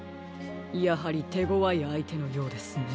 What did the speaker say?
やはりてごわいあいてのようですね。